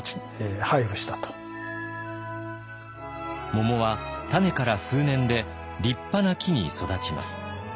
桃は種から数年で立派な木に育ちます。